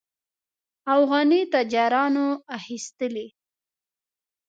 افغاني تاجرانو اخیستلې.